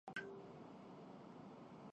اور چیز کا اثر تو ہمارے معاشرے پہ ہو